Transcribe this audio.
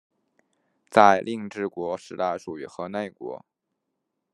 在令制国时代属于河内国。